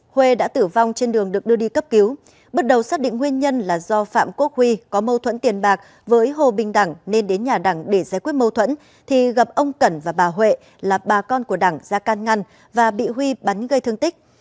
huê đã tử vong trên đường được đưa đi cấp cứu bước đầu xác định nguyên nhân là do phạm quốc huy có mâu thuẫn tiền bạc với hồ bình đẳng nên đến nhà đẳng để giải quyết mâu thuẫn thì gặp ông cẩn và bà huệ là bà con của đẳng ra can ngăn và bị huy bắn gây thương tích